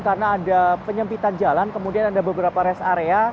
karena ada penyempitan jalan kemudian ada beberapa rest area